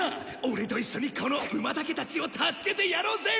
オレと一緒にこのウマタケたちを助けてやろうぜ！